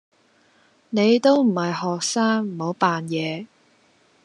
你都唔係學生，唔好扮野